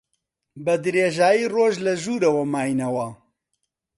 بە درێژایی ڕۆژ لە ژوورەوە ماینەوە.